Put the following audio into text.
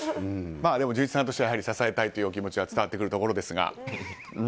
純一さんとしては支えたいというお気持ちは伝わってくるところですが。